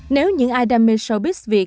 nếu những ai đam mê showbiz việt